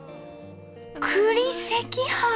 「栗赤飯」！